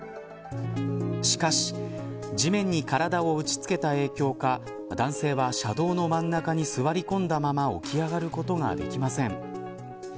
しかし地面に体を打ちつけた影響か男性は車道の真ん中に座り込んだまま起き上がることができません。